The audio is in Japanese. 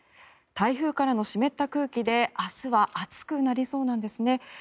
台風からの湿った空気で明日は暑くなりそうなんですね。